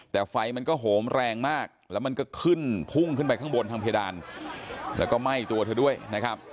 แต่ไฟมันก็โหมแรงมากแล้วมันก็ขึ้นพุ่งขึ้นไปข้างบนทางเพดานแล้วก็ไหม้ตัวเธอด้วยนะครับ